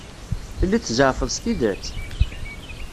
Telliḍ tzeɛfeḍ s tidet?